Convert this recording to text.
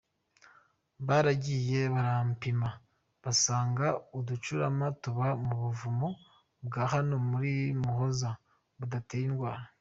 Baragiye barapima basanga uducurama tuba mu buvumo bwa hano muri Muhoza budatera indwara”.